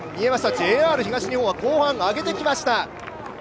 ＪＲ東日本は後半、上げてきました。